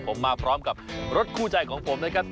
ผมมาพร้อมกับรถคู่ใจของผมนะครับ